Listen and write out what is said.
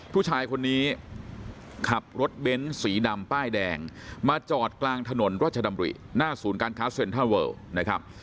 ผู้ชายคนนี้ขับรถเบ้นสีดำป้ายแดงมาจอดกลางถนนราชดำริหน้าศูนย์การค้าเซ็นเทอร์เวิลนะครับ